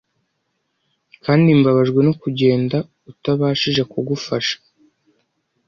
kandi mbabajwe no kugenda utabashije kugufasha